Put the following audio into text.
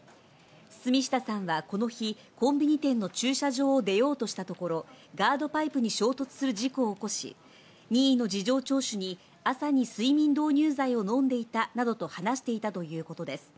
堤下さんはこの日、コンビニ店の駐車場を出ようとしたところ、ガードパイプに衝突する事故を起こし、任意の事情聴取に朝に睡眠導入剤を飲んでいたなどと話していたということです。